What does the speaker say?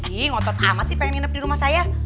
ini ngotot amat sih pengen nginep di rumah saya